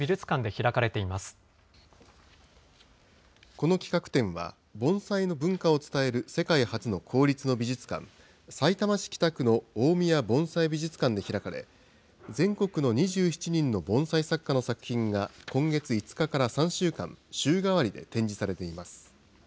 この企画展は、盆栽の文化を伝える世界初の公立の美術館、さいたま市北区の大宮盆栽美術館で開かれ、全国の２７人の盆栽作家の作品が今月５日から３週間、週替わりで展示されています。